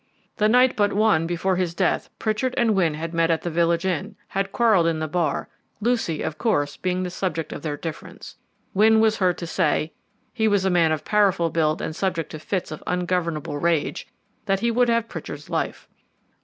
The night but one before his death Pritchard and Wynne had met at the village inn, had quarrelled in the bar Lucy, of course, being the subject of their difference. Wynne was heard to say (he was a man of powerful build and subject to fits of ungovernable rage) that he would have Pritchard's life.